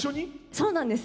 そうなんです。